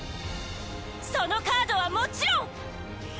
そのカードはもちろん！